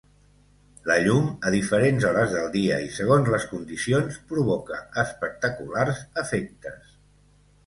La llum a diferents hores del dia i segons les condicions, provoca espectaculars efectes.